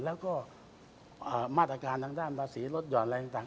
แล้วก็มาตรการทางด้านประสิทธิ์รถยอดอะไรต่าง